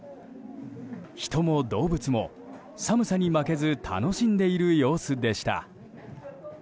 人も動物も寒さに負けず楽しんでいる様子でした。